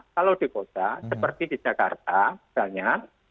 kalau di kota seperti di jakarta misalnya